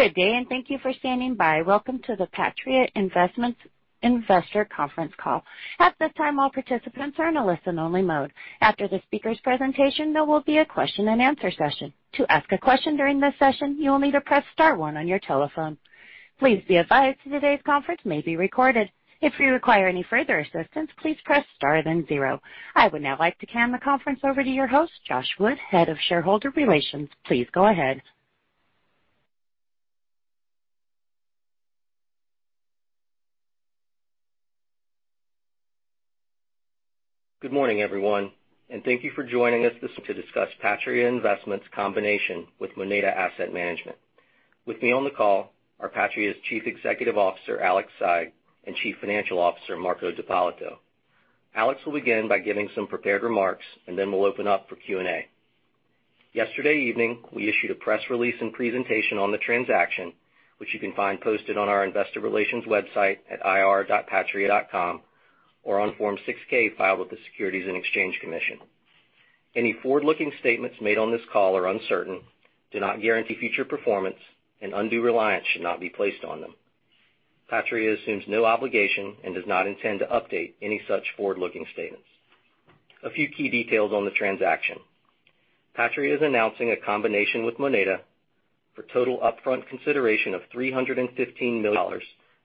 Good day, and thank you for standing by. Welcome to the Patria Investments Investor Conference Call. At this time all participants are on a listen-only mode. After the speaker's presentation there will be a question-and-answer session. To ask a question during the session, you'll need to press star one on your telephone. Please be advised today's conference may be recorded. If you require any further assistance, please press star then zero. I would now like to hand the conference over to your host, Josh Wood, Head of Shareholder Relations. Please go ahead. Good morning, everyone, and thank you for joining us to discuss Patria Investments combination with Moneda Asset Management. With me on the call are Patria's Chief Executive Officer, Alexandre Saigh, and Chief Financial Officer, Marco D'Ippolito. Alex will begin by giving some prepared remarks, then we'll open up for Q&A. Yesterday evening, we issued a press release and presentation on the transaction, which you can find posted on our investor relations website at ir.patria.com or on Form 6-K filed with the Securities and Exchange Commission. Any forward-looking statements made on this call are uncertain, do not guarantee future performance, and undue reliance should not be placed on them. Patria assumes no obligation and does not intend to update any such forward-looking statements. A few key details on the transaction. Patria is announcing a combination with Moneda for total upfront consideration of $315 million,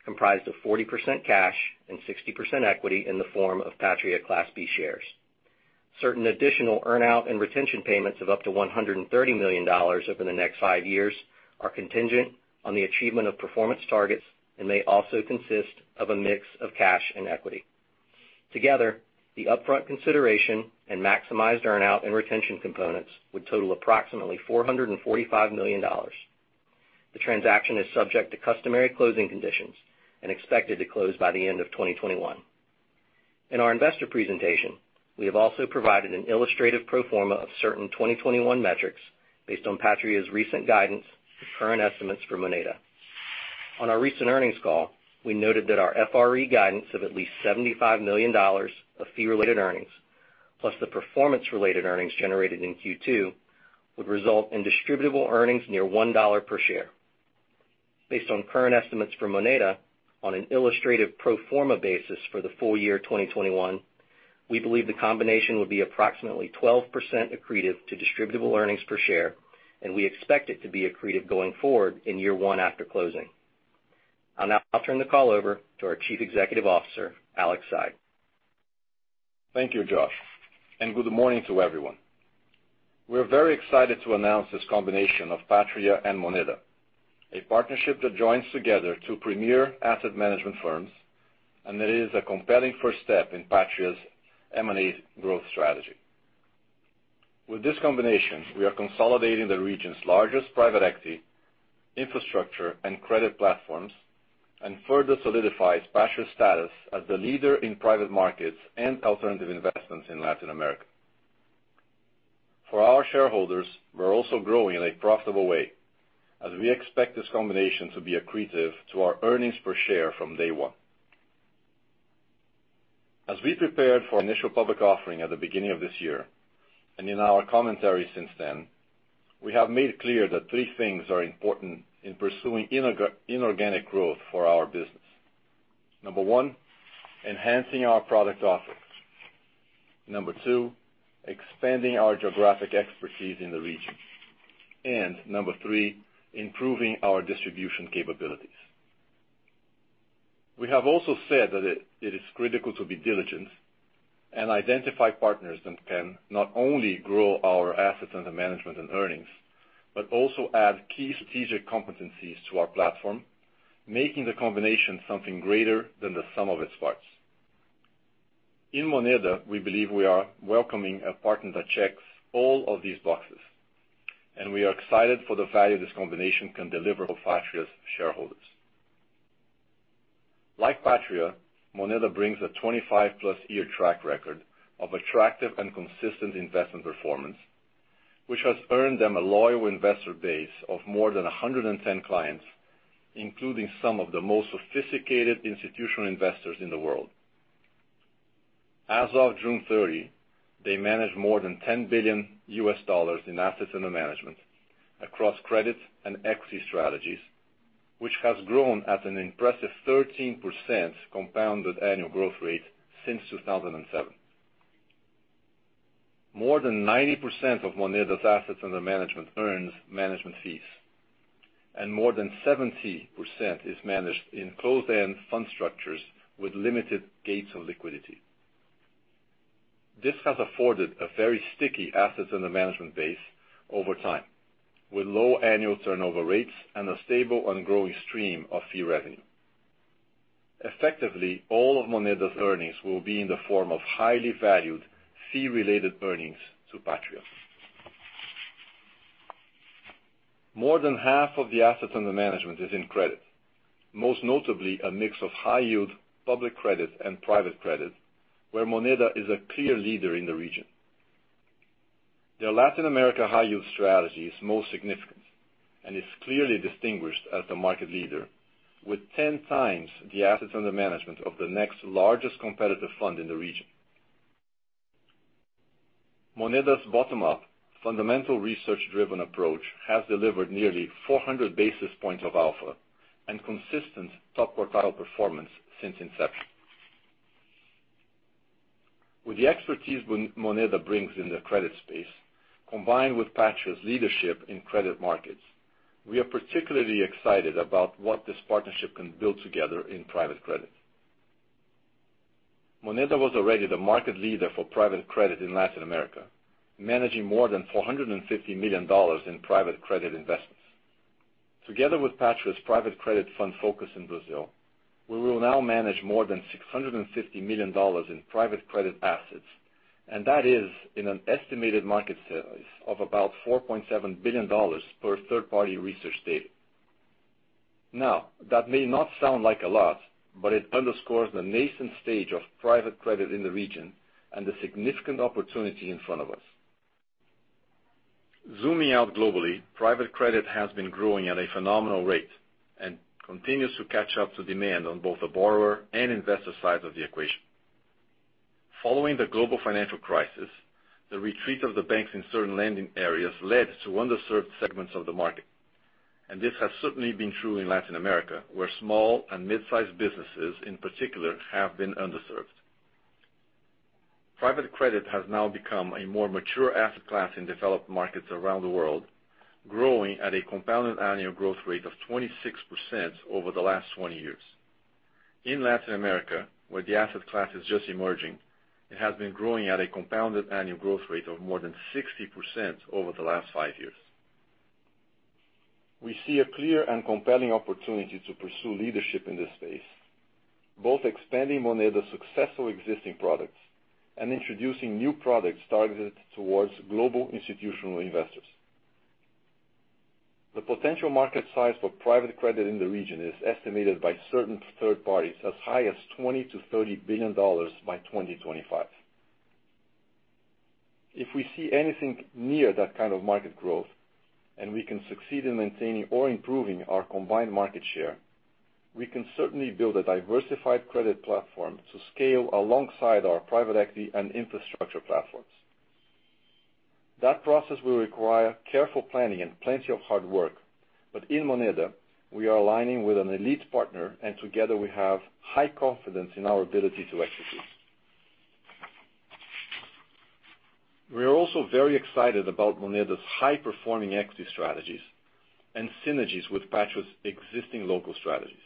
comprised of 40% cash and 60% equity in the form of Patria Class B shares. Certain additional earn-out and retention payments of up to $130 million over the next five years are contingent on the achievement of performance targets and may also consist of a mix of cash and equity. Together, the upfront consideration and maximized earn-out and retention components would total approximately $445 million. The transaction is subject to customary closing conditions and expected to close by the end of 2021. In our investor presentation, we have also provided an illustrative pro forma of certain 2021 metrics based on Patria's recent guidance and current estimates for Moneda. On our recent earnings call, we noted that our FRE guidance of at least $75 million of fee-related earnings, plus the performance-related earnings generated in Q2, would result in distributable earnings near $1 per share. Based on current estimates from Moneda on an illustrative pro forma basis for the full year 2021, we believe the combination would be approximately 12% accretive to distributable earnings per share, and we expect it to be accretive going forward in year one after closing. I'll now turn the call over to our Chief Executive Officer, Alexandre Saigh. Thank you, Josh, and good morning to everyone. We are very excited to announce this combination of Patria and Moneda, a partnership that joins together two premier asset management firms, and it is a compelling first step in Patria's M&A growth strategy. With this combination, we are consolidating the region's largest private equity, infrastructure, and credit platforms, and further solidifies Patria's status as the leader in private markets and alternative investments in Latin America. For our shareholders, we are also growing in a profitable way, as we expect this combination to be accretive to our earnings per share from day one. As we prepared for initial public offering at the beginning of this year, and in our commentary since then, we have made clear that three things are important in pursuing inorganic growth for our business. Number one, enhancing our product offerings. Number two, expanding our geographic expertise in the region. Number three, improving our distribution capabilities. We have also said that it is critical to be diligent and identify partners that can not only grow our assets under management and earnings, but also add key strategic competencies to our platform, making the combination something greater than the sum of its parts. In Moneda, we believe we are welcoming a partner that checks all of these boxes, and we are excited for the value this combination can deliver for Patria's shareholders. Like Patria, Moneda brings a 25+ year track record of attractive and consistent investment performance, which has earned them a loyal investor base of more than 110 clients, including some of the most sophisticated institutional investors in the world. As of June 30, they managed more than $10 billion U.S. in assets under management across credit and equity strategies, which has grown at an impressive 13% compounded annual growth rate since 2007. More than 90% of Moneda's assets under management earns management fees, and more than 70% is managed in closed-end fund structures with limited gates of liquidity. This has afforded a very sticky assets under management base over time, with low annual turnover rates and a stable and growing stream of fee revenue. Effectively, all of Moneda's earnings will be in the form of highly valued fee-related earnings to Patria. More than half of the assets under management is in credit, most notably a mix of high yield public credit and private credit, where Moneda is a clear leader in the region. Their Latin America high yield strategy is most significant and is clearly distinguished as the market leader with 10x the assets under management of the next largest competitive fund in the region. Moneda's bottom-up fundamental research-driven approach has delivered nearly 400 basis points of alpha and consistent top quartile performance since inception. With the expertise Moneda brings in the credit space, combined with Patria's leadership in credit markets, we are particularly excited about what this partnership can build together in private credit. Moneda was already the market leader for private credit in Latin America, managing more than BRL 450 million in private credit investments. Together with Patria's private credit fund focus in Brazil, we will now manage more than BRL 650 million in private credit assets, and that is in an estimated market size of about BRL 4.7 billion per third-party research data. Now, that may not sound like a lot, but it underscores the nascent stage of private credit in the region and the significant opportunity in front of us. Zooming out globally, private credit has been growing at a phenomenal rate and continues to catch up to demand on both the borrower and investor side of the equation. Following the global financial crisis, the retreat of the banks in certain lending areas led to underserved segments of the market, and this has certainly been true in Latin America, where small and mid-sized businesses, in particular, have been underserved. Private credit has now become a more mature asset class in developed markets around the world, growing at a compounded annual growth rate of 26% over the last 20 years. In Latin America, where the asset class is just emerging, it has been growing at a compounded annual growth rate of more than 60% over the last five years. We see a clear and compelling opportunity to pursue leadership in this space, both expanding Moneda's successful existing products and introducing new products targeted towards global institutional investors. The potential market size for private credit in the region is estimated by certain third parties as high as $20 billion-$30 billion by 2025. If we see anything near that kind of market growth, and we can succeed in maintaining or improving our combined market share, we can certainly build a diversified credit platform to scale alongside our private equity and infrastructure platforms. That process will require careful planning and plenty of hard work, but in Moneda, we are aligning with an elite partner, and together we have high confidence in our ability to execute. We are also very excited about Moneda's high-performing equity strategies and synergies with Patria's existing local strategies.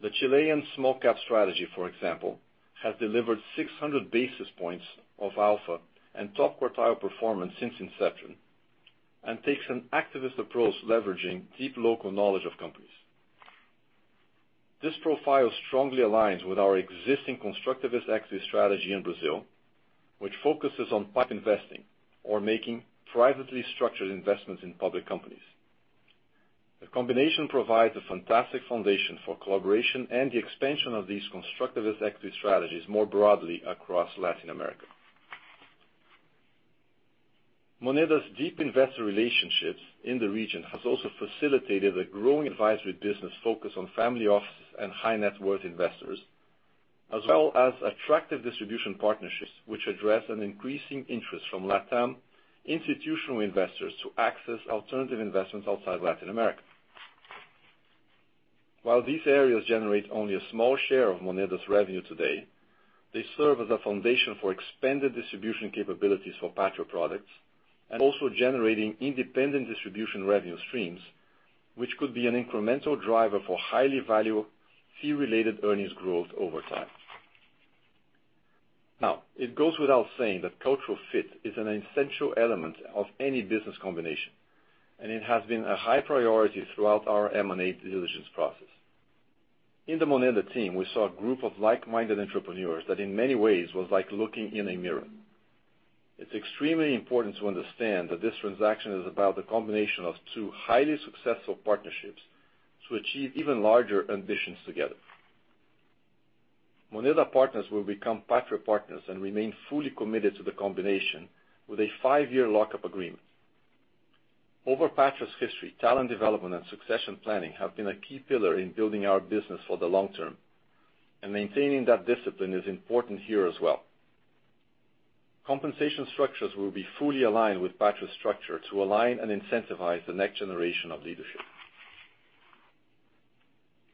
The Chilean small cap strategy, for example, has delivered 600 basis points of alpha and top quartile performance since inception and takes an activist approach leveraging deep local knowledge of companies. This profile strongly aligns with our existing constructivist equity strategy in Brazil, which focuses on PIPE investing or making privately structured investments in public companies. The combination provides a fantastic foundation for collaboration and the expansion of these constructivist equity strategies more broadly across Latin America. Moneda's deep investor relationships in the region has also facilitated a growing advisory business focus on family offices and high net worth investors, as well as attractive distribution partnerships, which address an increasing interest from LatAm institutional investors to access alternative investments outside Latin America. While these areas generate only a small share of Moneda's revenue today, they serve as a foundation for expanded distribution capabilities for Patria products and also generating independent distribution revenue streams, which could be an incremental driver for highly valuable fee-related earnings growth over time. It goes without saying that cultural fit is an essential element of any business combination, and it has been a high priority throughout our M&A diligence process. In the Moneda team, we saw a group of like-minded entrepreneurs that in many ways was like looking in a mirror. It's extremely important to understand that this transaction is about the combination of two highly successful partnerships to achieve even larger ambitions together. Moneda partners will become Patria partners and remain fully committed to the combination with a five-year lock-up agreement. Over Patria's history, talent development and succession planning have been a key pillar in building our business for the long term, and maintaining that discipline is important here as well. Compensation structures will be fully aligned with Patria's structure to align and incentivize the next generation of leadership.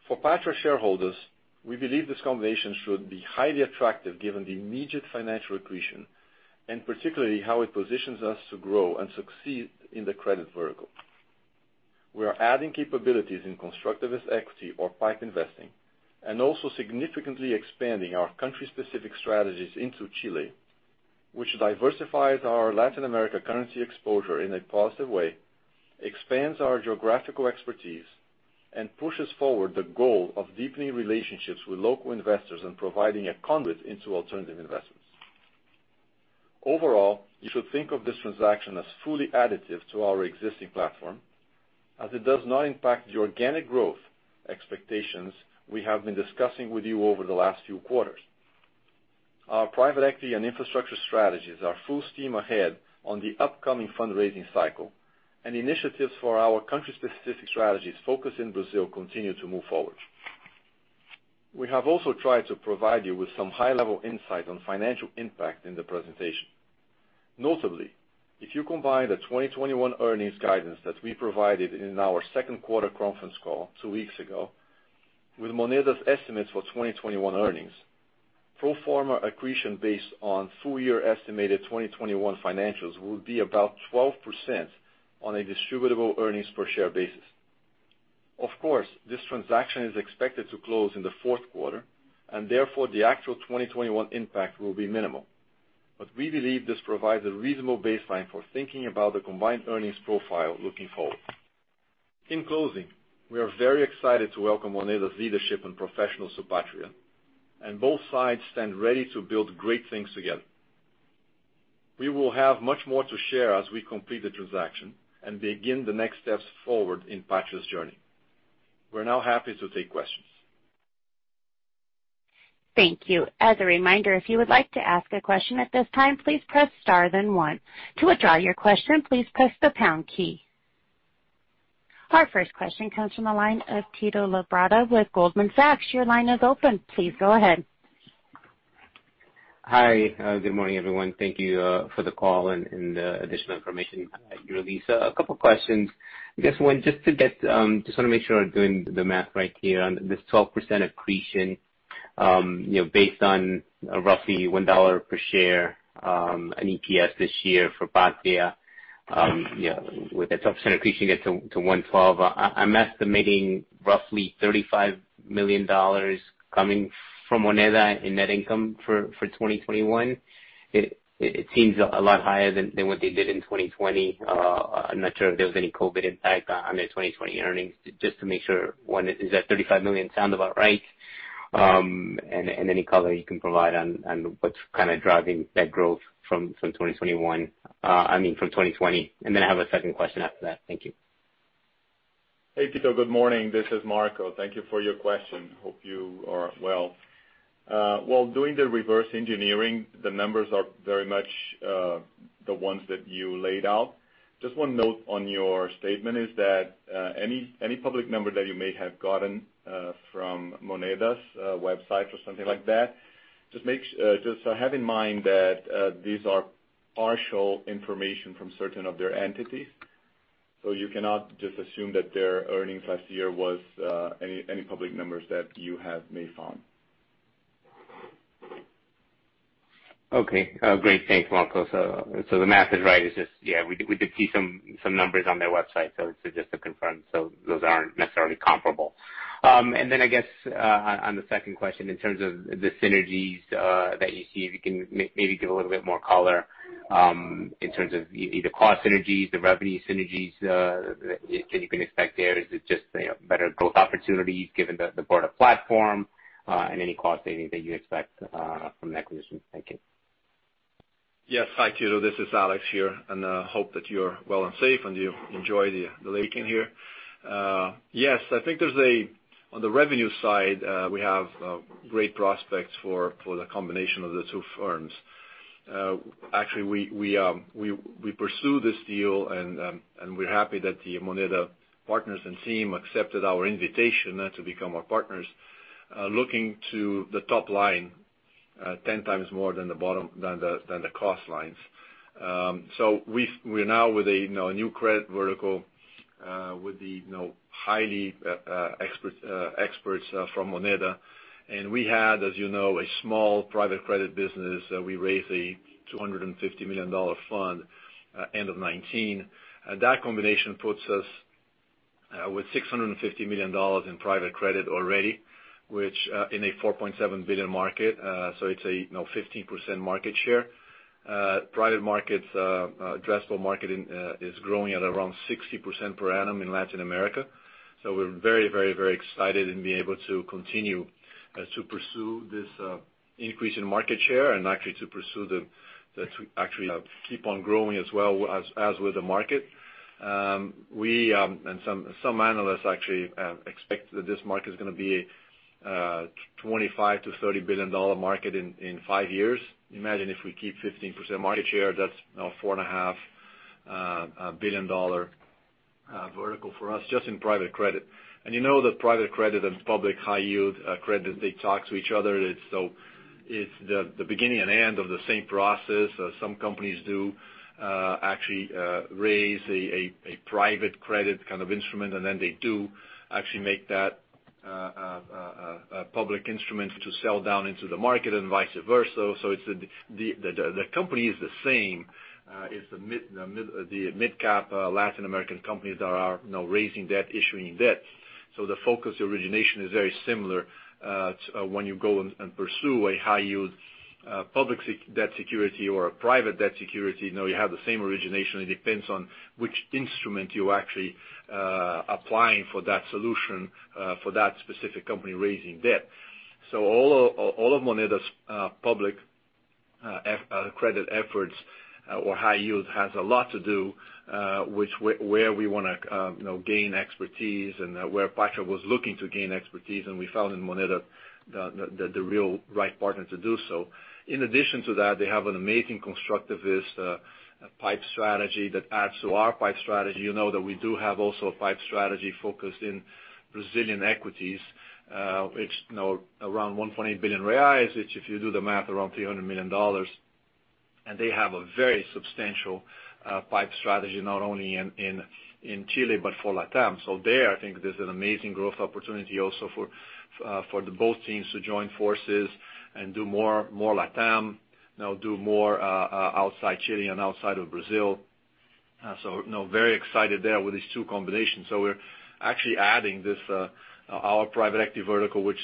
For Patria shareholders, we believe this combination should be highly attractive given the immediate financial accretion, and particularly how it positions us to grow and succeed in the credit vertical. We are adding capabilities in constructivist equity or PIPE investing and also significantly expanding our country-specific strategies into Chile, which diversifies our Latin America currency exposure in a positive way, expands our geographical expertise, and pushes forward the goal of deepening relationships with local investors and providing a conduit into alternative investments. Overall, you should think of this transaction as fully additive to our existing platform as it does not impact the organic growth expectations we have been discussing with you over the last few quarters. Our private equity and infrastructure strategies are full steam ahead on the upcoming fundraising cycle, and initiatives for our country-specific strategies focused in Brazil continue to move forward. We have also tried to provide you with some high-level insight on financial impact in the presentation. Notably, if you combine the 2021 earnings guidance that we provided in our second quarter conference call two weeks ago with Moneda's estimates for 2021 earnings, pro forma accretion based on full-year estimated 2021 financials will be about 12% on a distributable earnings per share basis. Of course, this transaction is expected to close in the fourth quarter, and therefore, the actual 2021 impact will be minimal. We believe this provides a reasonable baseline for thinking about the combined earnings profile looking forward. In closing, we are very excited to welcome Moneda's leadership and professionals to Patria, and both sides stand ready to build great things together. We will have much more to share as we complete the transaction and begin the next steps forward in Patria's journey. We're now happy to take questions. Thank you. As a reminder, if you would like to ask a question at this time, please press star then one. To withdraw your question, please press the pound key. Our first question comes from the line of Tito Labarta with Goldman Sachs. Your line is open. Please go ahead. Hi. Good morning, everyone. Thank you for the call and the additional information you released. A couple questions. I guess one, just want to make sure I'm doing the math right here on this 12% accretion, based on roughly BRL 1 per share in EPS this year for Patria, with that 12% accretion gets to 1.12. I'm estimating roughly BRL 35 million coming from Moneda in net income for 2021. It seems a lot higher than what they did in 2020. I'm not sure if there was any COVID impact on their 2020 earnings. Just to make sure, one, does that 35 million sound about right? Any color you can provide on what's kind of driving that growth from 2021, I mean, from 2020. I have a second question after that. Thank you. Hey, Tito. Good morning. This is Marco. Thank you for your question. Hope you are well. While doing the reverse engineering, the numbers are very much the ones that you laid out. Just one note on your statement is that, any public number that you may have gotten from Moneda's website or something like that, just have in mind that these are partial information from certain of their entities. You cannot just assume that their earnings last year was any public numbers that you have may found. Okay. Great. Thanks, Marco. The math is right. It's just, yeah, we did see some numbers on their website. It's just to confirm, so those aren't necessarily comparable. I guess, on the second question, in terms of the synergies that you see, if you can maybe give a little bit more color in terms of either cost synergies, the revenue synergies that you can expect there. Is it just better growth opportunities given the broader platform? Any cost saving that you expect from that acquisition? Thank you. Yes. Hi, Tito. This is Alex here. Hope that you're well and safe, and you enjoy the weekend here. I think on the revenue side, we have great prospects for the combination of the two firms. Actually, we pursue this deal and we're happy that the Moneda partners and team accepted our invitation to become our partners, looking to the top line 10x more than the cost lines. We're now with a new credit vertical with the highly experts from Moneda. We had, as you know, a small private credit business. We raised a BRL 250 million fund end of 2019. That combination puts us with BRL 650 million in private credit already, which in a 4.7 billion market, it's a 15% market share. Private markets, addressable market is growing at around 60% per annum in Latin America. We're very excited in being able to continue to pursue this increase in market share and actually keep on growing as well as with the market. We and some analysts actually expect that this market is going to be a $25 billion-$30 billion market in five years. Imagine if we keep 15% market share, that's $4.5 billion vertical for us just in private credit. You know that private credit and public high yield credit, they talk to each other. It's the beginning and end of the same process. Some companies do actually raise a private credit kind of instrument, and then they do actually make that a public instrument to sell down into the market and vice versa. The company is the same. It's the mid-cap Latin American companies that are now raising debt, issuing debt. The focus origination is very similar when you go and pursue a high yield public debt security or a private debt security. You have the same origination. It depends on which instrument you're actually applying for that solution for that specific company raising debt. All of Moneda's public credit efforts or high yield has a lot to do where we want to gain expertise and where Patria was looking to gain expertise, and we found in Moneda the real right partner to do so. In addition to that, they have an amazing constructivist PIPE strategy that adds to our PIPE strategy. You know that we do have also a PIPE strategy focused in Brazilian equities, which around 1.8 billion reais, which if you do the math around $300 million. They have a very substantial PIPE strategy, not only in Chile, but for LatAm. There, I think there's an amazing growth opportunity also for the both teams to join forces and do more LatAm, do more outside Chile and outside of Brazil. Very excited there with these two combinations. We're actually adding our private equity vertical, which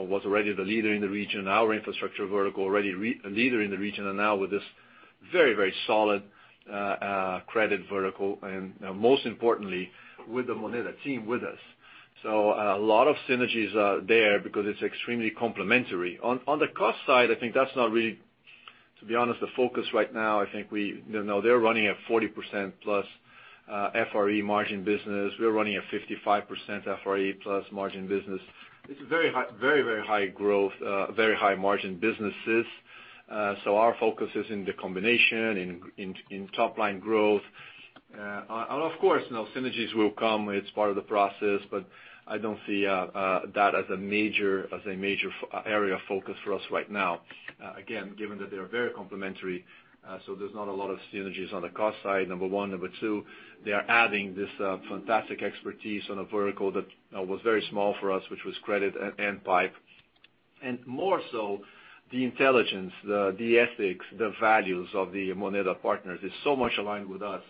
was already the leader in the region, our infrastructure vertical, already a leader in the region, and now with this very solid credit vertical, and most importantly, with the Moneda team with us. A lot of synergies are there because it's extremely complementary. On the cost side, I think that's not really, to be honest, the focus right now. I think they're running a 40% plus FRE margin business. We're running a 55% FRE plus margin business. It's very high growth, very high margin businesses. Our focus is in the combination, in top-line growth. Of course, synergies will come. It's part of the process, but I don't see that as a major area of focus for us right now. Again, given that they are very complementary, there's not a lot of synergies on the cost side, number one. Number two, they are adding this fantastic expertise on a vertical that was very small for us, which was credit and PIPE. More so, the intelligence, the ethics, the values of the Moneda partners is so much aligned with us.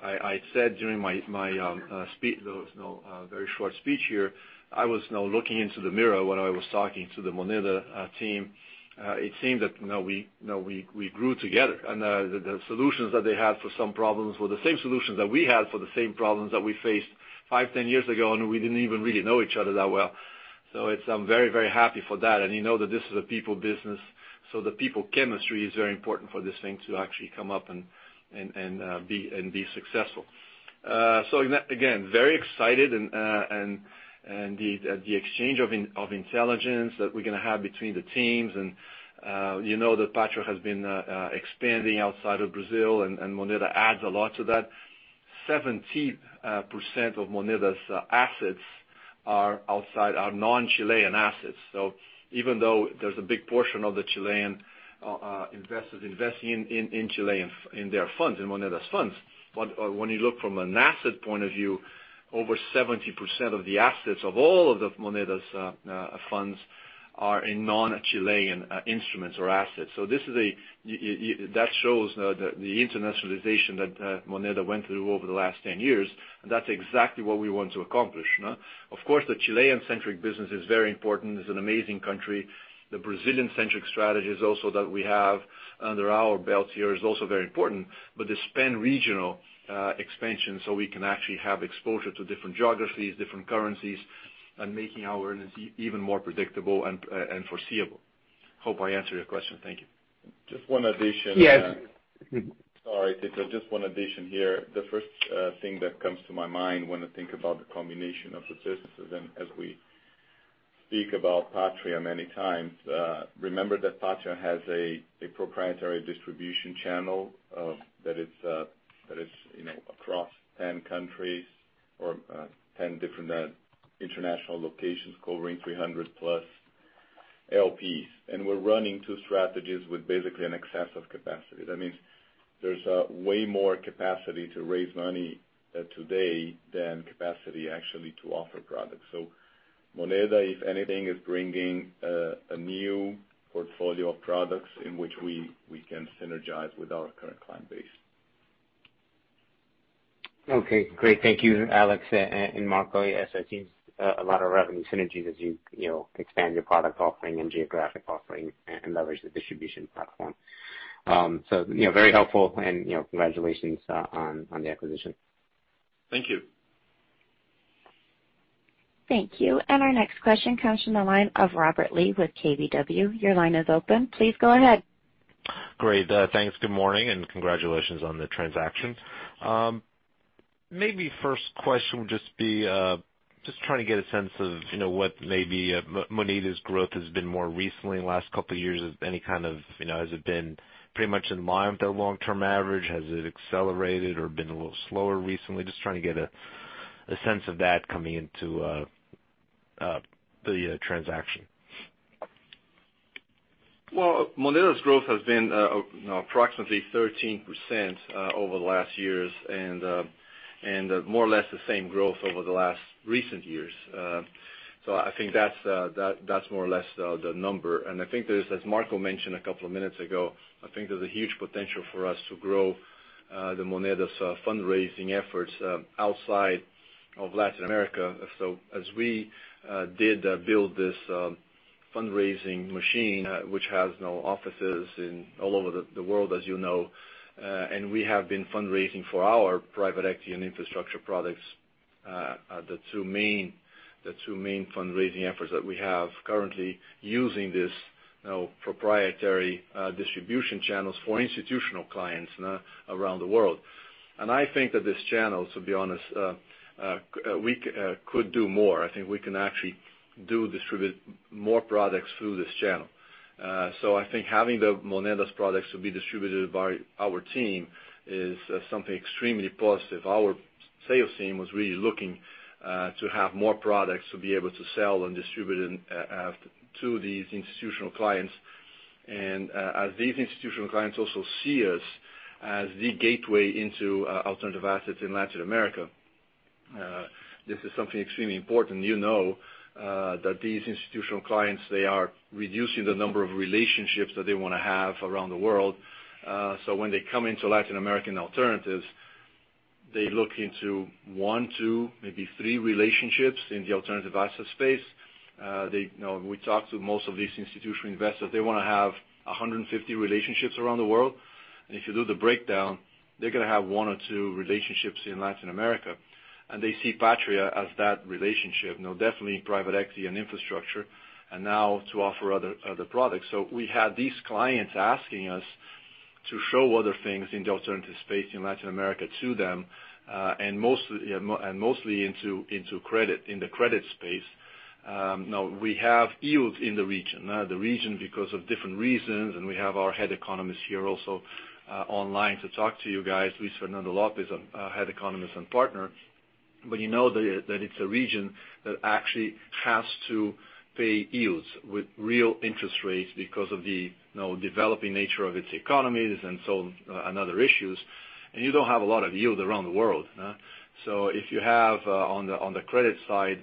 I said during my very short speech here, I was now looking into the mirror when I was talking to the Moneda team. It seemed that we grew together, and the solutions that they had for some problems were the same solutions that we had for the same problems that we faced five, 10 years ago, and we didn't even really know each other that well. I'm very happy for that. You know that this is a people business, so the people chemistry is very important for this thing to actually come up and be successful. Again, very excited at the exchange of intelligence that we're going to have between the teams. You know that Patria has been expanding outside of Brazil, and Moneda adds a lot to that. 70% of Moneda's assets are non-Chilean assets. Even though there's a big portion of the Chilean investors investing in Chile in their funds, in Moneda's funds, but when you look from an asset point of view, over 70% of the assets of all of Moneda's funds are in non-Chilean instruments or assets. That shows the internationalization that Moneda went through over the last 10 years, and that's exactly what we want to accomplish. Of course, the Chilean-centric business is very important. It's an amazing country. The Brazilian-centric strategies also that we have under our belt here is also very important, but the pan-regional expansion, so we can actually have exposure to different geographies, different currencies, and making our earnings even more predictable and foreseeable. I hope I answered your question. Thank you. Just one addition. Yes. Sorry, Tito. Just one addition here. The first thing that comes to my mind when I think about the combination of the businesses, and as we speak about Patria many times, remember that Patria has a proprietary distribution channel that is across 10 countries, or 10 different international locations covering 300+ LPs. We're running two strategies with basically an excess of capacity. That means there's way more capacity to raise money today than capacity actually to offer products. Moneda, if anything, is bringing a new portfolio of products in which we can synergize with our current client base. Okay, great. Thank you, Alex and Marco. Yes, I see a lot of revenue synergies as you expand your product offering and geographic offering and leverage the distribution platform. Very helpful and congratulations on the acquisition. Thank you. Thank you. Our next question comes from the line of Robert Lee with KBW. Great. Thanks. Good morning. Congratulations on the transaction. Maybe first question will just be, just trying to get a sense of what maybe Moneda's growth has been more recently in the last couple of years. Has it been pretty much in line with their long-term average? Has it accelerated or been a little slower recently? Just trying to get a sense of that coming into the transaction. Well, Moneda's growth has been approximately 13% over the last years and more or less the same growth over the last recent years. I think that's more or less the number. I think there's, as Marco mentioned a couple of minutes ago, I think there's a huge potential for us to grow Moneda's fundraising efforts outside of Latin America. As we did build this fundraising machine, which has now offices all over the world, as you know, and we have been fundraising for our private equity and infrastructure products, the two main fundraising efforts that we have currently using these proprietary distribution channels for institutional clients around the world. I think that this channel, to be honest, we could do more. I think we can actually do distribute more products through this channel. I think having Moneda's products to be distributed by our team is something extremely positive. Our sales team was really looking to have more products to be able to sell and distribute to these institutional clients. As these institutional clients also see us as the gateway into alternative assets in Latin America, this is something extremely important. You know that these institutional clients, they are reducing the number of relationships that they want to have around the world. When they come into Latin American alternatives, they look into one, two, maybe three relationships in the alternative asset space. We talked to most of these institutional investors. They want to have 150 relationships around the world. If you do the breakdown, they're going to have one or two relationships in Latin America, and they see Patria as that relationship. Definitely, private equity and infrastructure and now to offer other products. We had these clients asking us to show other things in the alternative space in Latin America to them, and mostly into credit in the credit space. Now we have yields in the region. Now, the region, because of different reasons, and we have our Head Economist here also online to talk to you guys. Luis Fernando Lopes, our Head Economist and Partner. You know that it's a region that actually has to pay yields with real interest rates because of the developing nature of its economies and other issues. You don't have a lot of yield around the world. If you have on the credit side,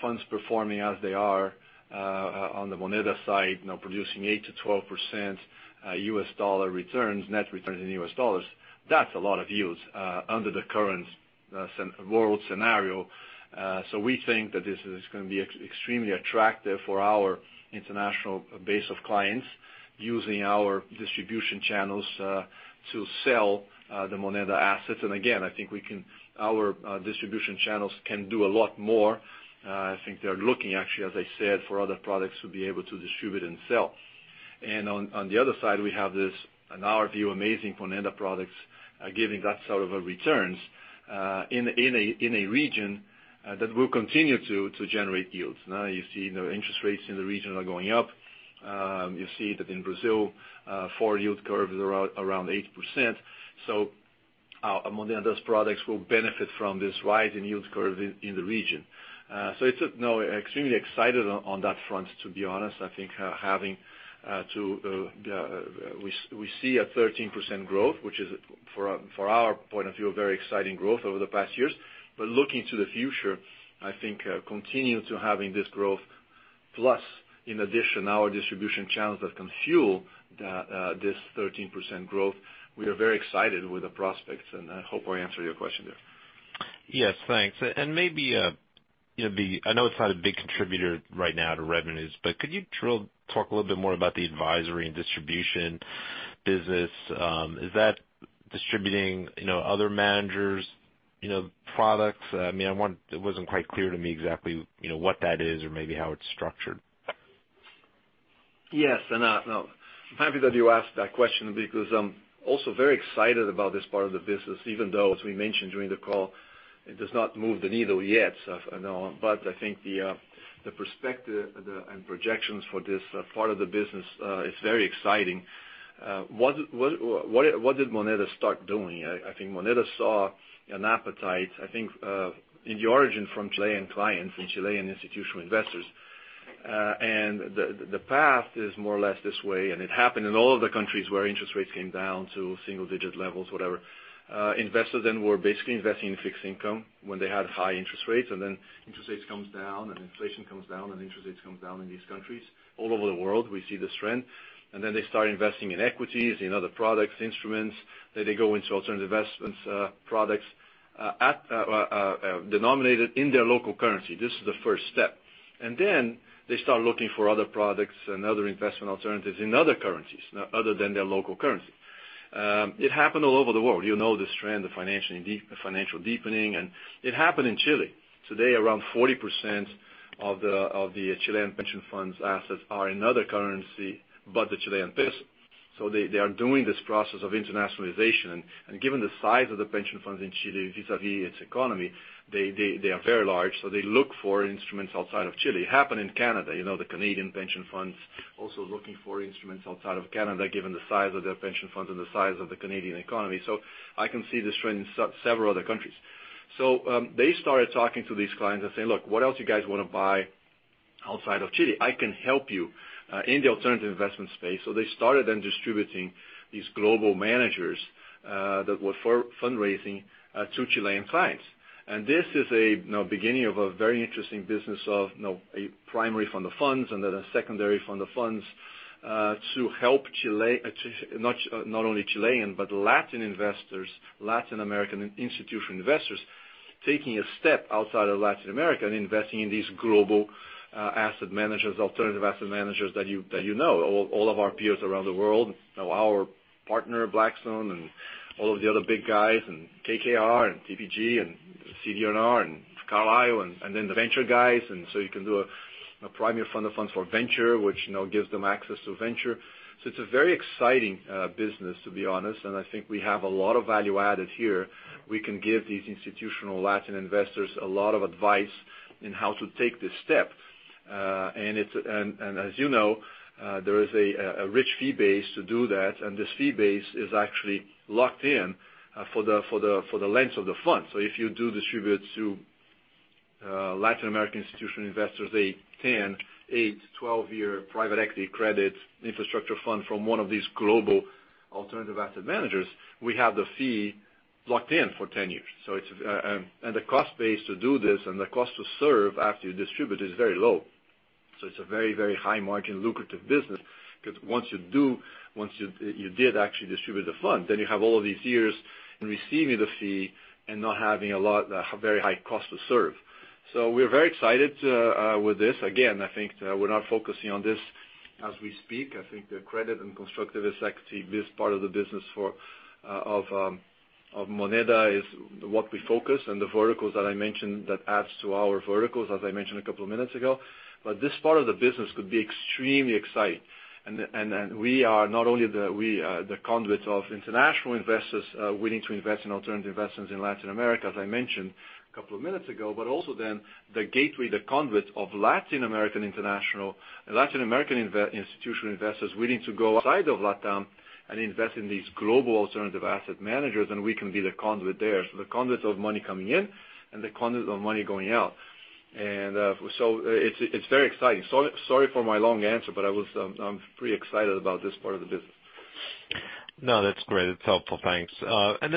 funds performing as they are on the Moneda side producing 8%-12% U.S. dollar returns, net returns in U.S. dollars, that's a lot of yields under the current world scenario. We think that this is going to be extremely attractive for our international base of clients using our distribution channels to sell the Moneda assets. Again, I think our distribution channels can do a lot more. I think they're looking actually, as I said, for other products to be able to distribute and sell. On the other side, we have this, in our view, amazing Moneda products giving that sort of a returns in a region that will continue to generate yields. Now you see interest rates in the region are going up. You see that in Brazil, four yield curves are around 8%. Moneda's products will benefit from this rise in yield curves in the region. Extremely excited on that front, to be honest. I think we see a 13% growth, which is, from our point of view, a very exciting growth over the past years. Looking to the future, I think continuing to having this growth plus, in addition, our distribution channels that can fuel this 13% growth, we are very excited with the prospects, and I hope I answered your question there. Yes, thanks. Maybe, I know it's not a big contributor right now to revenues, but could you talk a little bit more about the advisory and distribution business? Is that distributing other managers' products? It wasn't quite clear to me exactly what that is or maybe how it's structured. Yes. I'm happy that you asked that question because I'm also very excited about this part of the business, even though, as we mentioned during the call, it does not move the needle yet. I think the perspective and projections for this part of the business is very exciting. What did Moneda start doing? I think Moneda saw an appetite, I think, in the origin from Chilean clients, from Chilean institutional investors. The path is more or less this way, and it happened in all of the countries where interest rates came down to single-digit levels, whatever. Investors were basically investing in fixed income when they had high interest rates, and then interest rates comes down and inflation comes down, and interest rates comes down in these countries. All over the world, we see this trend. They start investing in equities, in other products, instruments. They go into alternative investments products denominated in their local currency. This is the first step. They start looking for other products and other investment alternatives in other currencies other than their local currency. It happened all over the world. You know this trend, the financial deepening, and it happened in Chile. Today, around 40% of the Chilean pension funds assets are in other currency but the Chilean peso. They are doing this process of internationalization. Given the size of the pension funds in Chile vis-à-vis its economy, they are very large, so they look for instruments outside of Chile. Happened in Canada, the Canadian pension funds also looking for instruments outside of Canada, given the size of their pension funds and the size of the Canadian economy. I can see this trend in several other countries. They started talking to these clients and saying, "Look, what else you guys want to buy outside of Chile? I can help you in the alternative investment space." They started then distributing these global managers that were fundraising to Chilean clients. This is a beginning of a very interesting business of a primary fund of funds and then a secondary fund of funds to help not only Chilean but Latin investors, Latin American institutional investors, taking a step outside of Latin America and investing in these global asset managers, alternative asset managers that you know. All of our peers around the world. Our partner, Blackstone, and all of the other big guys, KKR, TPG, CD&R, and Carlyle, and then the venture guys. You can do a primary fund of funds for venture, which gives them access to venture. It's a very exciting business, to be honest, and I think we have a lot of value added here. We can give these institutional Latin investors a lot of advice in how to take this step. As you know, there is a rich fee base to do that, and this fee base is actually locked in for the length of the fund. If you do distribute to Latin American institutional investors, they can, 8 to 12-year private equity credit infrastructure fund from one of these global alternative asset managers. We have the fee locked in for 10 years. The cost base to do this and the cost to serve after you distribute it is very low. It's a very, very high margin, lucrative business. Once you did actually distribute the fund, then you have all of these years in receiving the fee and not having a very high cost to serve. We're very excited with this. Again, I think we're not focusing on this as we speak. I think the credit and constructive equity, this part of the business of Moneda is what we focus and the verticals that I mentioned, that adds to our verticals, as I mentioned a couple of minutes ago. This part of the business could be extremely exciting. We are not only the conduit of international investors willing to invest in alternative investments in Latin America, as I mentioned a couple of minutes ago, but also then the gateway, the conduit of Latin American international, Latin American institutional investors willing to go outside of LatAm and invest in these global alternative asset managers, and we can be the conduit there. The conduit of money coming in and the conduit of money going out. It's very exciting. Sorry for my long answer, but I'm pretty excited about this part of the business. No, that's great. It's helpful. Thanks.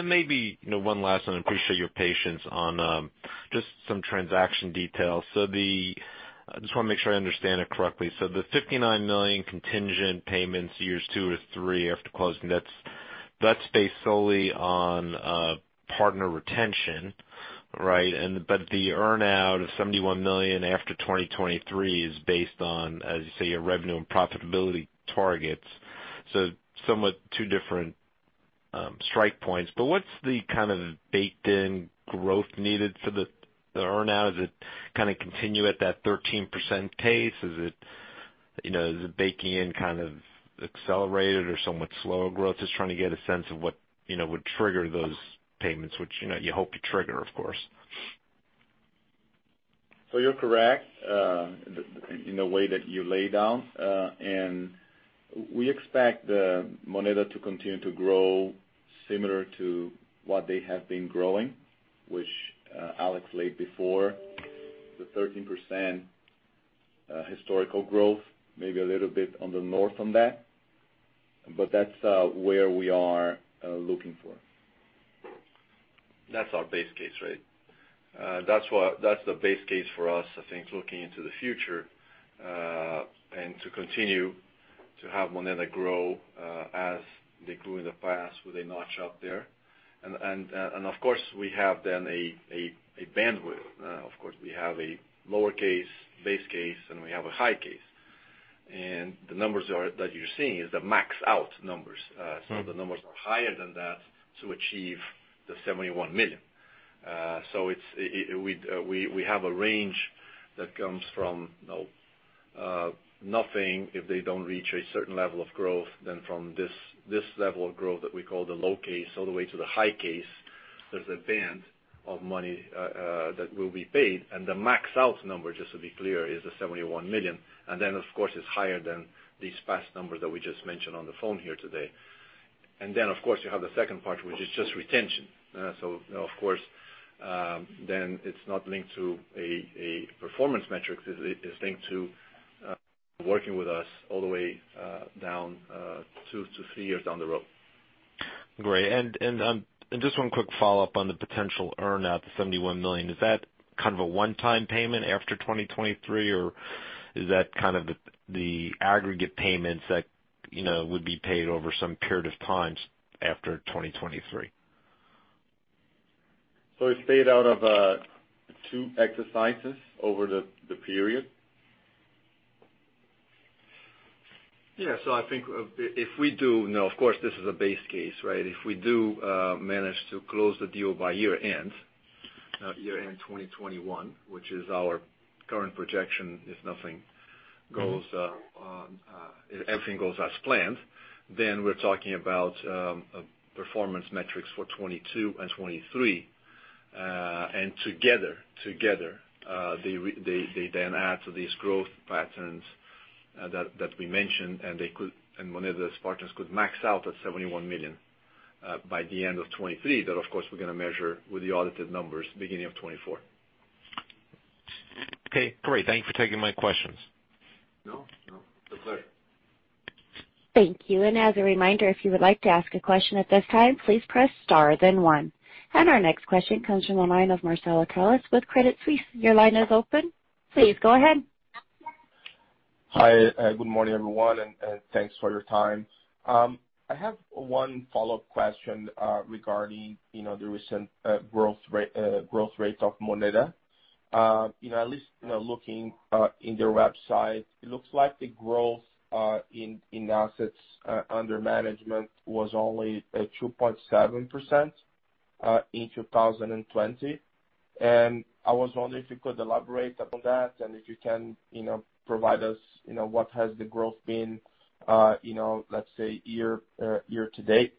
Maybe one last one. I appreciate your patience on just some transaction details. I just want to make sure I understand it correctly. The $59 million contingent payments years two to three after closing, that's based solely on partner retention, right? The earn-out of $71 million after 2023 is based on, as you say, your revenue and profitability targets. Somewhat two different strike points. What's the kind of baked-in growth needed for the earn-out? Does it kind of continue at that 13% pace? Is it baking in kind of accelerated or somewhat slower growth? Just trying to get a sense of what would trigger those payments, which you hope to trigger, of course. You're correct in the way that you lay down. We expect Moneda to continue to grow similar to what they have been growing, which Alex laid before, the 13% historical growth, maybe a little bit on the north on that. That's where we are looking for. That's our base case, right? That's the base case for us, I think, looking into the future, and to continue to have Moneda grow as they grew in the past with a notch up there. Of course, we have then a bandwidth. Of course, we have a lower case, base case, and we have a high case. The numbers that you're seeing is the max out numbers. The numbers are higher than that to achieve the 71 million. We have a range that comes from nothing, if they don't reach a certain level of growth, then from this level of growth that we call the low case, all the way to the high case, there's a band of money that will be paid. The max out number, just to be clear, is the 71 million. Of course, it's higher than these past numbers that we just mentioned on the phone here today. Of course, you have the second part, which is just retention. Of course, then it's not linked to a performance metric. It's linked to working with us all the way down two to three years down the road. Great. Just one quick follow-up on the potential earn-out, the $71 million. Is that kind of a one-time payment after 2023? Is that kind of the aggregate payments that would be paid over some period of times after 2023? It's paid out of two exercises over the period. Yeah. I think if we do. Now, of course, this is a base case, right? If we do manage to close the deal by year end, year-end 2021, which is our current projection, if everything goes as planned, then we're talking about performance metrics for 2022 and 2023. Together they then add to these growth patterns that we mentioned, and one of those patterns could max out at $71 million by the end of 2023. That, of course, we're going to measure with the audited numbers beginning of 2024. Okay, great. Thank you for taking my questions. No, no. It's okay. Thank you. As a reminder, if you would like to ask a question at this time please press star. Our next question comes from the line of Marcelo Telles with Credit Suisse. Your line is open. Please go ahead. Hi, good morning, everyone, thanks for your time. I have one follow-up question regarding the recent growth rate of Moneda. At least looking in their website, it looks like the growth in assets under management was only at 2.7% in 2020. I was wondering if you could elaborate upon that and if you can provide us what has the growth been, let's say, year to date.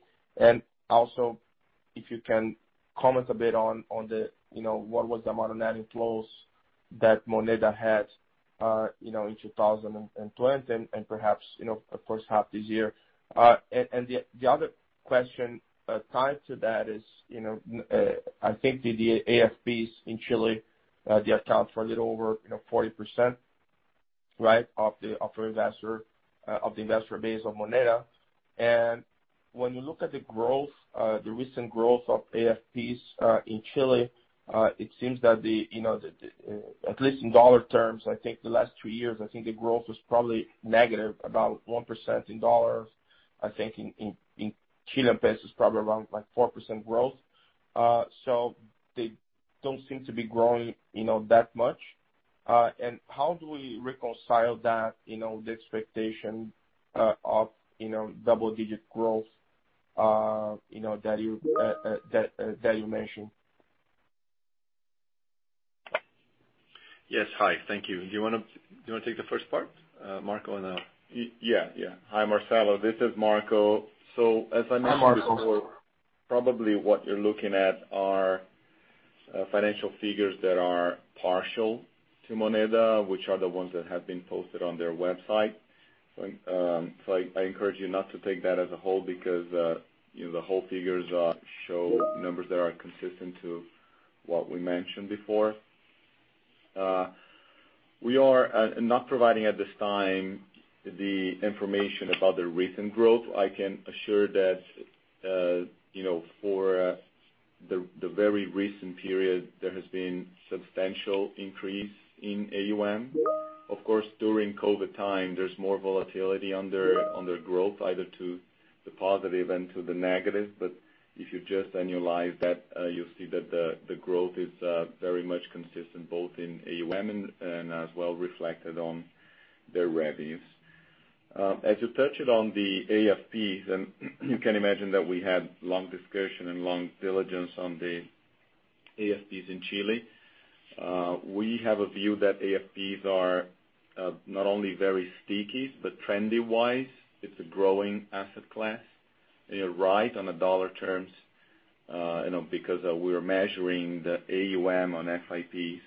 Also, if you can comment a bit on what was the amount of net inflows that Moneda had in 2020 and perhaps the first half this year. The other question tied to that is, I think the AFPs in Chile account for a little over 40% of the investor base of Moneda. When you look at the recent growth of AFPs in Chile, it seems that at least in dollar terms, I think the last two years, I think the growth was probably negative, about 1% in dollars. I think in Chilean pesos, probably around 4% growth. They don't seem to be growing that much. How do we reconcile that, the expectation of double-digit growth that you mentioned? Yes. Hi, thank you. Do you want to take the first part, Marco? Yeah. Hi, Marcelo. This is Marco. As I mentioned- Hi, Marco. ...probably what you're looking at are financial figures that are partial to Moneda, which are the ones that have been posted on their website. I encourage you not to take that as a whole because the whole figures show numbers that are consistent to what we mentioned before. We are not providing, at this time, the information about the recent growth. I can assure that for the very recent period, there has been substantial increase in AUM. Of course, during COVID time, there's more volatility on their growth, either to the positive and to the negative. If you just annualize that, you'll see that the growth is very much consistent both in AUM and as well reflected on their revenues. As you touched on the AFPs, and you can imagine that we had long discussion and long diligence on the AFPs in Chile. We have a view that AFPs are not only very sticky, but trendy-wise, it's a growing asset class. You're right on the dollar terms because we're measuring the AUM on AFPs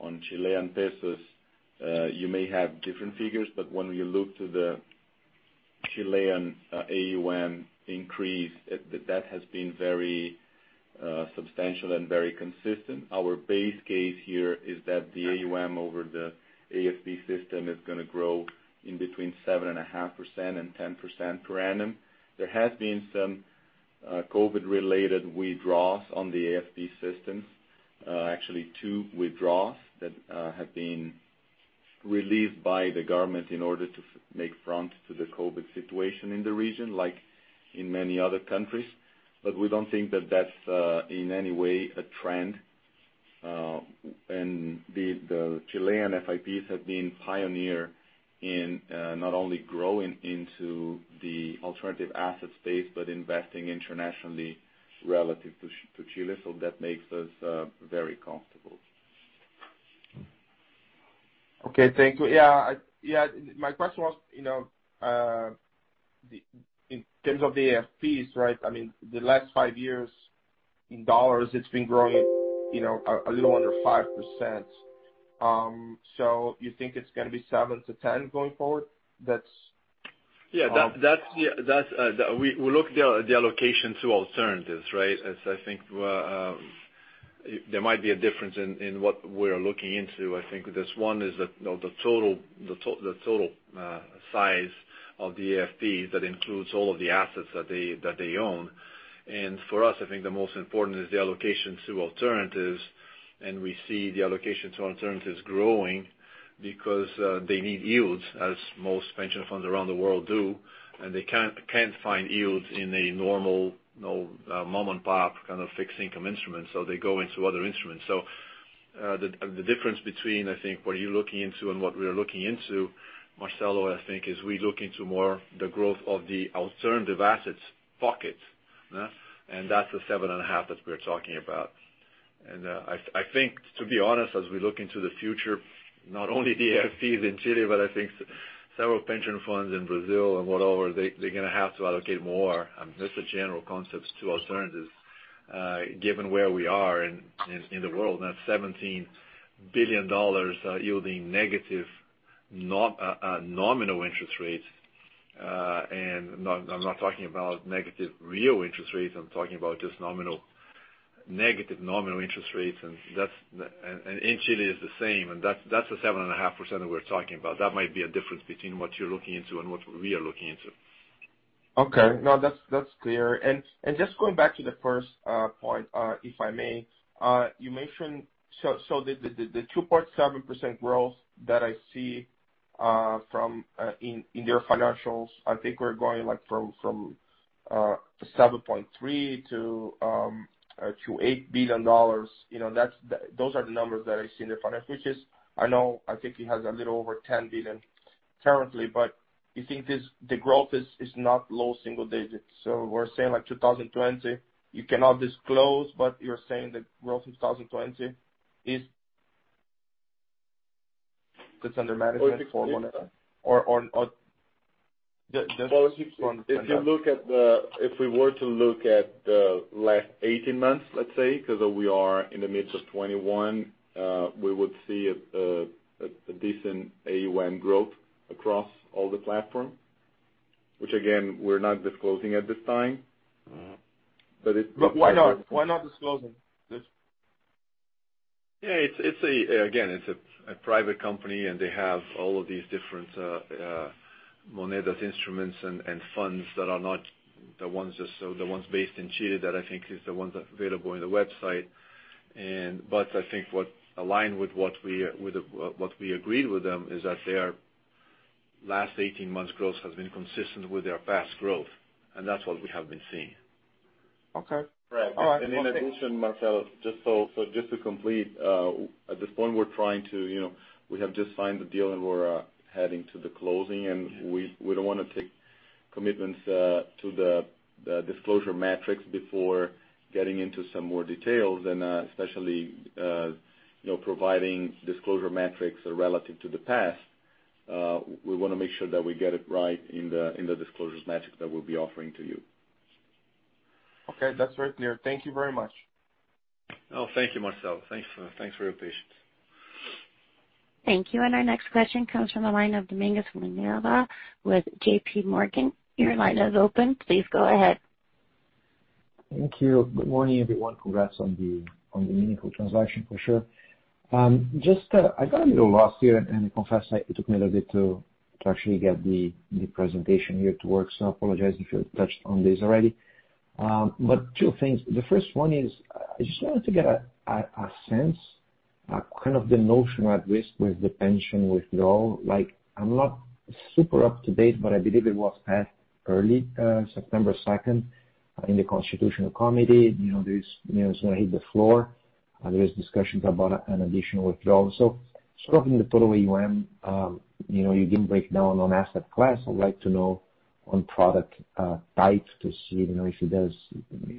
on Chilean pesos. You may have different figures, but when you look to the Chilean AUM increase, that has been very substantial and very consistent. Our base case here is that the AUM over the AFP system is going to grow in between 7.5% and 10% per annum. There have been some COVID-related withdrawals on the AFP systems. Actually, two withdrawals that have been relieved by the government in order to make front to the COVID situation in the region, like in many other countries. We don't think that that's in any way a trend. The Chilean AFPs have been pioneer in not only growing into the alternative asset space, but investing internationally relative to Chile. That makes us very comfortable. Okay. Thank you. Yeah. My question was, in terms of the AFPs, right? The last five years in dollars, it's been growing a little under 5%. You think it's going to be 7%-10% going forward? Yeah. We look the allocation to alternatives, right? I think there might be a difference in what we're looking into. I think this one is the total size of the AFP that includes all of the assets that they own. For us, I think the most important is the allocation to alternatives. We see the allocation to alternatives growing because they need yields, as most pension funds around the world do. They can't find yields in a normal mom-and-pop kind of fixed income instrument, so they go into other instruments. The difference between, I think, what you're looking into and what we're looking into, Marcelo, I think, is we look into more the growth of the alternative assets pocket. That's the 7.5% that we're talking about. I think, to be honest, as we look into the future, not only the AFPs in Chile, but I think several pension funds in Brazil and whatever, they're going to have to allocate more, just the general concepts to alternatives. Given where we are in the world now, $17 billion yielding negative nominal interest rates. I'm not talking about negative real interest rates, I'm talking about just negative nominal interest rates, and in Chile is the same, and that's the 7.5% that we're talking about. That might be a difference between what you're looking into and what we are looking into. Okay. No, that's clear. Just going back to the first point, if I may. The 2.7% growth that I see in their financials, I think we're going from $7.3 billion to $8 billion. Those are the numbers that I see in the finance, which is, I know, I think it has a little over $10 billion currently. You think the growth is not low single digits. We're saying like 2020, you cannot disclose, but you're saying the growth in 2020 is, that's under management for Moneda. Well, if we were to look at the last 18 months, let's say, because we are in the midst of 2021, we would see a decent AUM growth across all the platforms. Which again, we're not disclosing at this time. But it's- Why not? Why not disclose them? Yeah, again, it's a private company, and they have all of these different Moneda instruments and funds that are not the ones based in Chile that I think is the ones that are available in the website. I think what align with what we agreed with them is that their last 18 months growth has been consistent with their past growth, and that's what we have been seeing. Okay. All right. Okay. In addition, Marcelo, just to complete, at this point, we have just signed the deal we're heading to the closing, we don't want to take commitments to the disclosure metrics before getting into some more details especially providing disclosure metrics relative to the past. We want to make sure that we get it right in the disclosures metrics that we'll be offering to you. Okay. That's very clear. Thank you very much. Oh, thank you, Marcelo. Thanks for your patience. Thank you. Our next question comes from the line of Domingos Falavina with JPMorgan. Your line is open. Please go ahead. Thank you. Good morning, everyone. Congrats on the meaningful transaction, for sure. I got a little lost here and I confess it took me a little bit to actually get the presentation here to work. Apologize if you touched on this already. Two things. The first one is, I just wanted to get a sense, kind of the notional risk with the pension withdrawal. I'm not super up to date, but I believe it was passed early, September 2nd, in the Constitutional Committee. It's going to hit the floor. There is discussions about an additional withdrawal. Sort of in the total AUM, you didn't break down on asset class. I'd like to know on product types to see if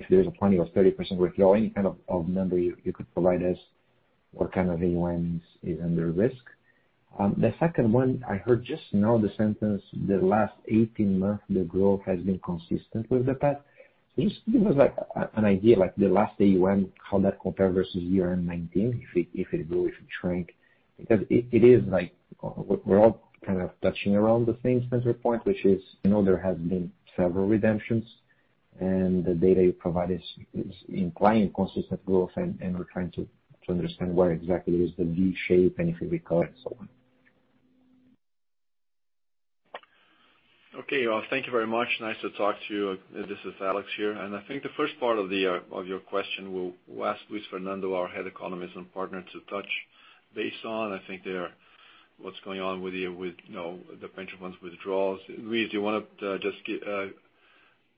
there's a 20% or 30% withdrawal, any kind of number you could provide us what kind of AUM is under risk. The second one I heard just now the sentence, the last 18 months, the growth has been consistent with the past. Can you just give us, like, an idea, like the last AUM, how that compare versus year-end 2019, if it grew, if it shrank? We're all kind of touching around the same center point, which is, there has been several redemptions, and the data you provided is implying consistent growth and we're trying to understand where exactly is the V shape, and if it recover and so on. Okay. Well, thank you very much. Nice to talk to you. This is Alex here, and I think the first part of your question, we'll ask Luis Fernando, our Head Economist and Partner, to touch base on. I think what's going on with the pension funds withdrawals. Luis, do you want to just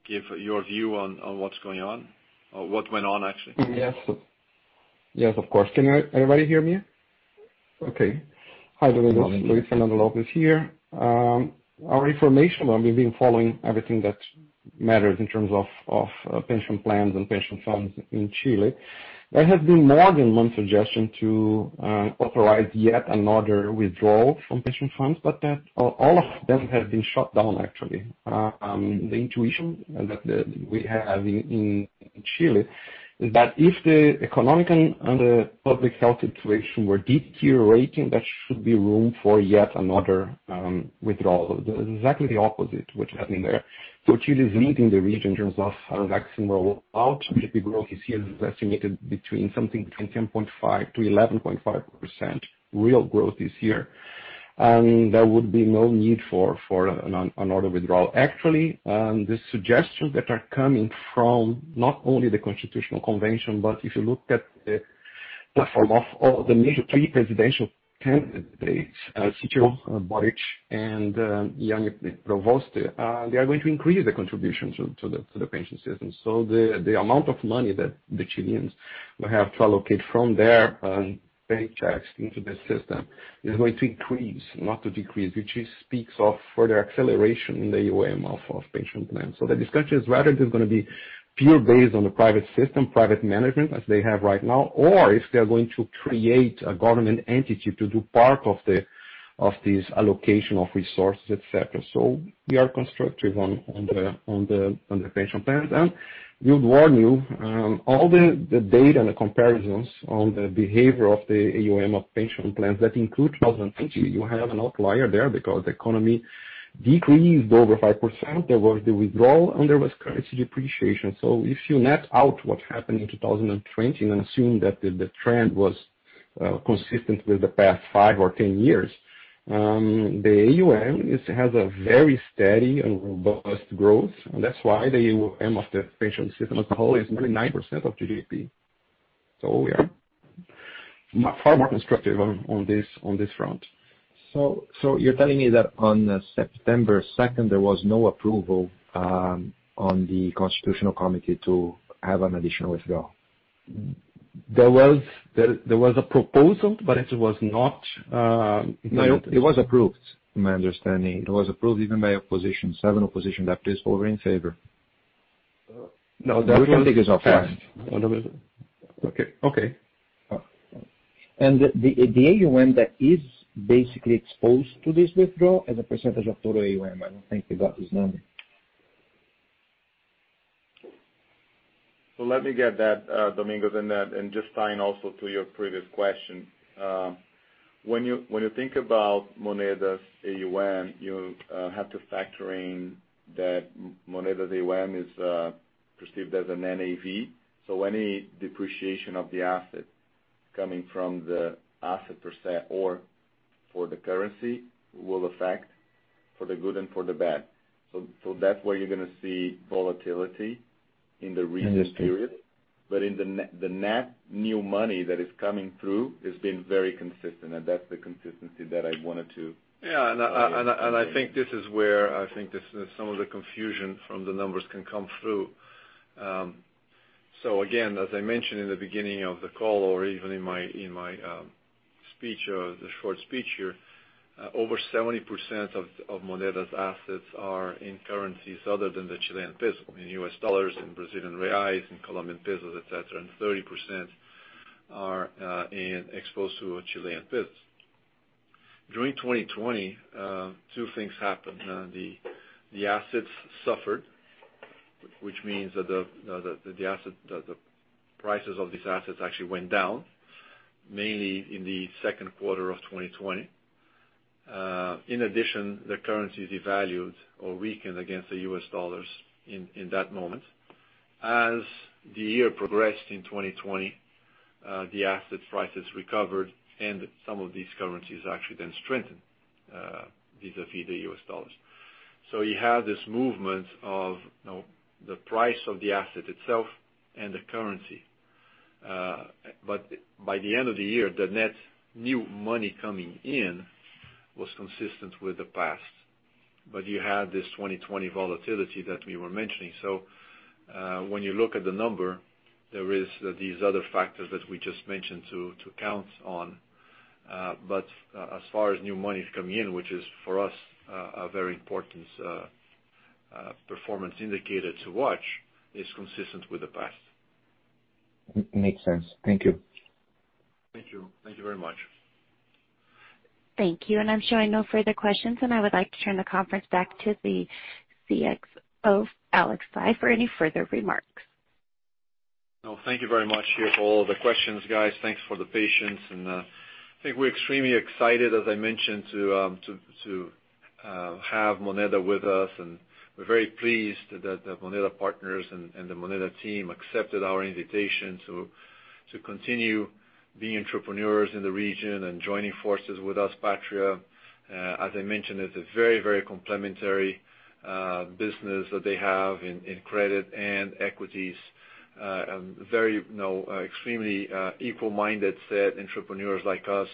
give your view on what's going on? Or what went on, actually? Yes, of course. Can everybody hear me? Okay. Hi, Domingos Falavina. Luis Fernando Lopes here. Our information, we've been following everything that matters in terms of pension plans and pension funds in Chile. There has been more than one suggestion to authorize yet another withdrawal from pension funds, but all of them have been shot down, actually. The intuition that we have in Chile is that if the economic and the public health situation were deteriorating, there should be room for yet another withdrawal. Exactly the opposite, which is happening there. Chile is leading the region in terms of maximum rollout. GDP growth is estimated between something between 10.5%-11.5% real growth this year. There would be no need for another withdrawal. Actually, the suggestions that are coming from not only the Constitutional Convention, but if you look at the platform of the major three presidential candidates, Castillo, Boric, and Yasna Provoste, they are going to increase the contribution to the pension system. The amount of money that the Chileans will have to allocate from their paychecks into the system is going to increase, not to decrease, which speaks of further acceleration in the AUM of pension plans. The discussion is whether it is going to be pure based on the private system, private management as they have right now, or if they are going to create a government entity to do part of this allocation of resources, et cetera. We are constructive on the pension plans. We would warn you, all the data and the comparisons on the behavior of the AUM of pension plans that include 2020, you have an outlier there because the economy decreased over 5%, there was the withdrawal, and there was currency depreciation. If you net out what happened in 2020 and assume that the trend was consistent with the past five or 10 years, the AUM has a very steady and robust growth, and that's why the AUM of the pension system as a whole is nearly 9% of GDP. We are far more constructive on this front. You're telling me that on September 2nd, there was no approval on the Constitutional Committee to have an additional withdrawal? There was a proposal, but it was not implemented. It was approved, from my understanding. It was approved even by opposition. Seven opposition deputies voting in favor. No, that one. We can take this offline. Okay. The AUM that is basically exposed to this withdrawal as a percentage of total AUM, I don't think we got this number. Let me get that, Domingos, and just tying also to your previous question. When you think about Moneda's AUM, you have to factor in that Moneda's AUM is perceived as an NAV. Any depreciation of the asset coming from the asset per se or for the currency will affect for the good and for the bad. That's where you're going to see volatility in the recent period. The net new money that is coming through has been very consistent, and that's the consistency that I wanted to. I think this is where some of the confusion from the numbers can come through. Again, as I mentioned in the beginning of the call or even in my short speech here, over 70% of Moneda's assets are in currencies other than the Chilean peso, in US dollars, in Brazilian reais, in Colombian pesos, et cetera, and 30% are exposed to Chilean pesos. During 2020, two things happened. The assets suffered, which means that the prices of these assets actually went down, mainly in the second quarter of 2020. In addition, the currency devalued or weakened against the U.S. dollars in that moment. As the year progressed in 2020, the assets prices recovered, some of these currencies actually then strengthened vis-a-vis the U.S. dollars. You have this movement of the price of the asset itself and the currency. By the end of the year, the net new money coming in was consistent with the past. You had this 2020 volatility that we were mentioning. When you look at the number, there is these other factors that we just mentioned to count on. As far as new money is coming in, which is, for us, a very important performance indicator to watch is consistent with the past. Makes sense. Thank you. Thank you. Thank you very much. Thank you. I'm showing no further questions, and I would like to turn the conference back to the CEO, Alexandre Saigh, for any further remarks. Thank you very much here for all the questions, guys. Thanks for the patience. I think we're extremely excited, as I mentioned, to have Moneda with us, and we're very pleased that the Moneda partners and the Moneda team accepted our invitation to continue being entrepreneurs in the region and joining forces with us, Patria. As I mentioned, it's a very, very complementary business that they have in credit and equities. Extremely equal-minded set entrepreneurs like us,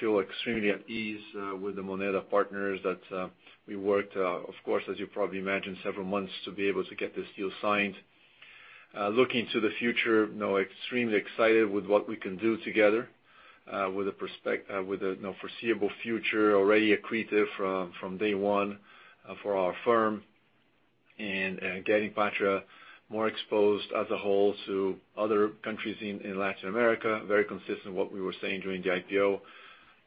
feel extremely at ease with the Moneda partners that we worked, of course, as you probably imagine, several months to be able to get this deal signed. Looking to the future, extremely excited with what we can do together with the foreseeable future, already accretive from day one for our firm, and getting Patria more exposed as a whole to other countries in Latin America. Very consistent what we were saying during the IPO,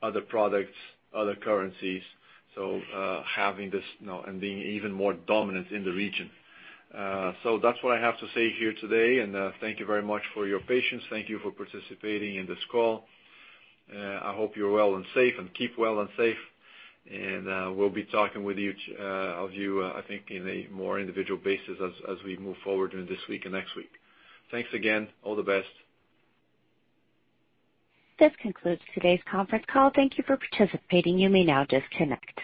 other products, other currencies. Having this and being even more dominant in the region. That's what I have to say here today and thank you very much for your patience. Thank you for participating in this call. I hope you're well and safe and keep well and safe. We'll be talking with each of you, I think, in a more individual basis as we move forward during this week and next week. Thanks again. All the best. This concludes today's conference call. Thank you for participating. You may now disconnect.